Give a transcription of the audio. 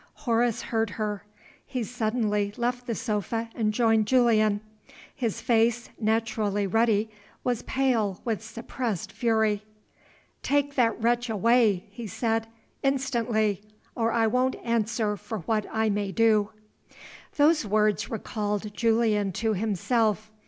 Horace heard her. He suddenly left the sofa and joined Julian. His face, naturally ruddy, was pale with suppressed fury. "Take that wretch away!" he said. "Instantly! or I won't answer for what I may do." Those words recalled Julian to himself.